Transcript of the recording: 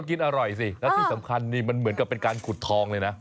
กินอร่อยสิแล้วที่สำคัญนี่มันเหมือนกับเป็นการขุดทองเลยนะ